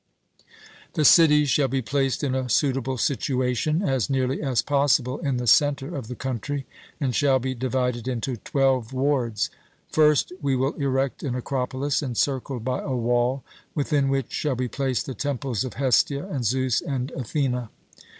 The city shall be placed in a suitable situation, as nearly as possible in the centre of the country, and shall be divided into twelve wards. First, we will erect an acropolis, encircled by a wall, within which shall be placed the temples of Hestia, and Zeus, and Athene.